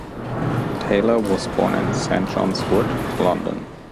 Taylor was born in Saint John's Wood, London.